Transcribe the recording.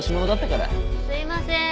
すいません。